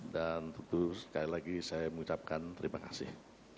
dan tentu sekali lagi saya mengucapkan terima kasih